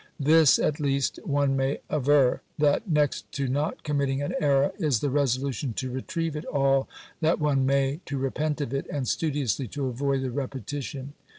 This, at least, one may aver, that next to not committing an error, is the resolution to retrieve it all that one may, to repent of it, and studiously to avoid the repetition.